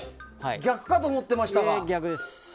逆かと思っていました。